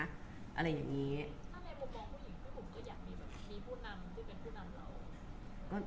ถ้าในมุมมองผู้หญิงพี่หุ่มก็อยากมีแบบมีผู้นำที่เป็นผู้นำเรา